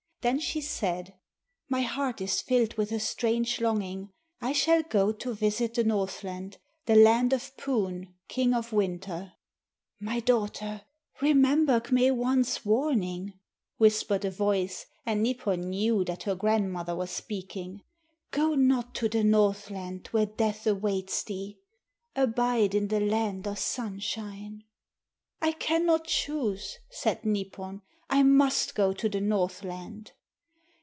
Then she said, "My heart is filled with a strange longing. I shall go to visit the Northland, the Land of Poon, King of Winter." "My daughter, remember K'me wan's warning," whispered a voice and Nipon knew that her grandmother was speaking. "Go not to the Northland where death awaits thee. Abide in the land of Sunshine." "I can not choose," said Nipon. "I must go to the Northland."